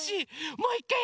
もういいかい？